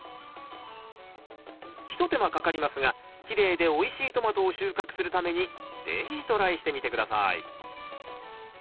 一手間かかりますがきれいでおいしいトマトを収穫するために是非トライしてみて下さい。